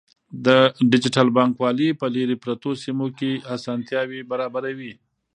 ډیجیټل بانکوالي په لیرې پرتو سیمو کې اسانتیاوې برابروي.